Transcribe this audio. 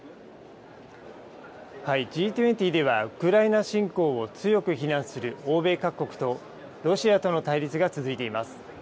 Ｇ２０では、ウクライナ侵攻を強く非難する欧米各国と、ロシアとの対立が続いています。